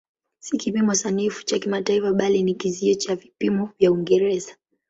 Si kipimo sanifu cha kimataifa bali ni kizio cha vipimo vya Uingereza.